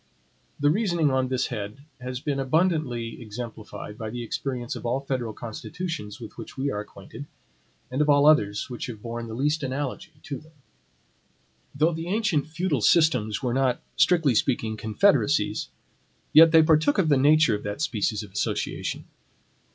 The reasoning on this head has been abundantly exemplified by the experience of all federal constitutions with which we are acquainted, and of all others which have borne the least analogy to them. Though the ancient feudal systems were not, strictly speaking, confederacies, yet they partook of the nature of that species of association.